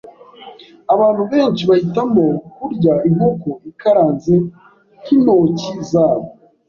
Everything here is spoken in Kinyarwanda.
Abantu benshi bahitamo kurya inkoko ikaranze n'intoki zabo.